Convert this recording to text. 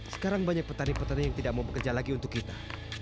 sekarang banyak petani petani yang tidak mau bekerja lagi untuk kita